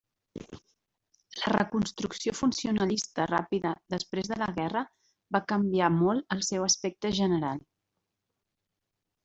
La reconstrucció funcionalista ràpida després de la guerra va canviar molt el seu aspecte general.